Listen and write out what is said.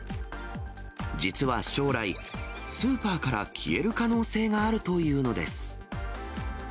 実は将来、スーパーから消える可能性があるというのです。